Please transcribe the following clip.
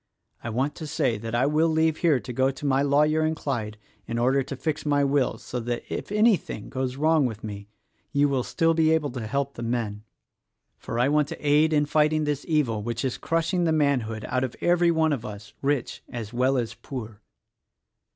I want to say that I will leave here to go to my lawyer in Clyde in order to fix my will so that if anything goes wrong with me, you will still be able to help the men; for I want to aid in fighting this evil which is crushing the manhood out of every one of us — rich as well as poor."